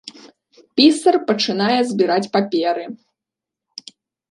Пісар пачынае збіраць паперы.